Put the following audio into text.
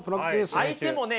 相手もね